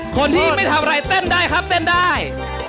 คนที่ไม่ทำอะไรเต้นได้ครับเต้นได้